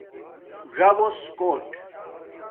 ژݹس کوٹ